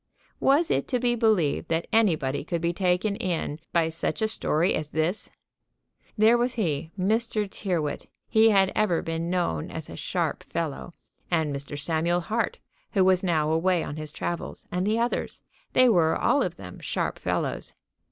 Was it to be believed that anybody could be taken in by such a story as this? There was he, Mr. Tyrrwhit: he had ever been known as a sharp fellow; and Mr. Samuel Hart, who was now away on his travels, and the others; they were all of them sharp fellows.